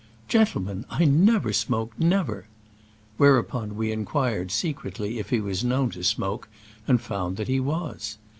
"Gentlemen, I never smoke — never P' Whereupon we inquired secretly if he was known to smoke, and found that he was.